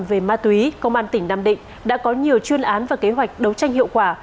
về ma túy công an tỉnh nam định đã có nhiều chuyên án và kế hoạch đấu tranh hiệu quả